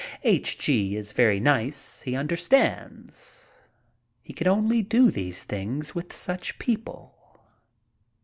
H. G. is very nice. He understands. You can only do these things with such people.